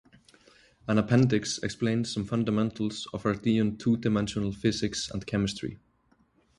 An appendix explains some fundamentals of Ardean two-dimensional physics and chemistry.